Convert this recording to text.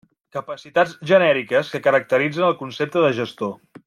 Capacitats genèriques que caracteritzen el concepte de gestor.